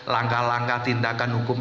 langkah langkah tindakan hukum